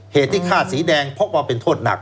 เหตุที่ข้าดสีแดงพบว่าเป็นโทษหนัก